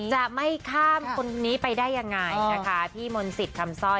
จะไม่ข้ามคนนี้ไปได้ยังไงนะคะพี่มนต์สิทธิ์คำสร้อย